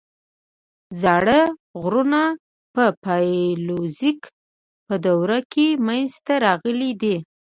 زاړه غرونه په پالیوزویک په دوره کې منځته راغلي دي.